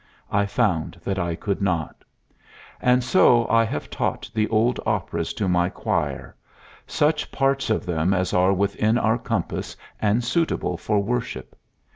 I found that I could not. And so I have taught the old operas to my choir such parts of them as are within our compass and suitable for worship.